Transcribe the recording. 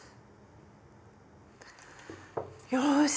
よし！